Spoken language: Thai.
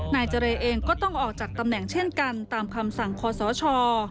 นายเจรเองก็ต้องออกจากตำแหน่งเช่นกันตามคำสั่งคอสช